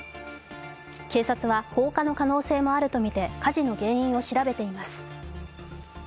警察は放火の可能性もあるとみて火事の原因を調べています。